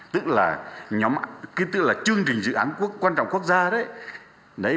tức là chương trình dự án quan trọng quốc gia đấy